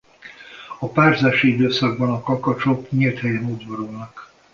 A párzási időszakban a kakasok nyílt helyen udvarolnak.